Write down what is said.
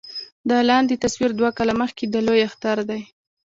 دا لاندې تصوير دوه کاله مخکښې د لوئے اختر دے